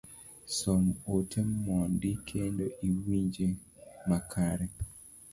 Som ote mondi kendo iwinje makare